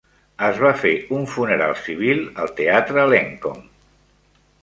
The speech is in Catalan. Es va fer un funeral civil al teatre Lenkom.